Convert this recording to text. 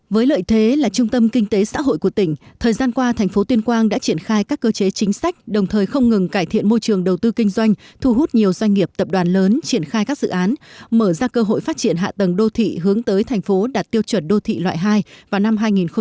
với lợi thế là trung tâm kinh tế xã hội của tỉnh thời gian qua thành phố tuyên quang đã triển khai các cơ chế chính sách đồng thời không ngừng cải thiện môi trường đầu tư kinh doanh thu hút nhiều doanh nghiệp tập đoàn lớn triển khai các dự án mở ra cơ hội phát triển hạ tầng đô thị hướng tới thành phố đạt tiêu chuẩn đô thị loại hai vào năm hai nghìn hai mươi